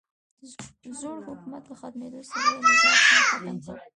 د زوړ حکومت له ختمېدو سره یې نظام هم ختم کړی.